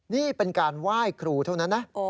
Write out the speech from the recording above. นี่เป็นการไหว้ครูเท่านั้นนะ